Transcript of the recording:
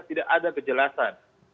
tidak ada kejelasan